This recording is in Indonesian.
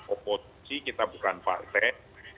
oposisi kita bukan partai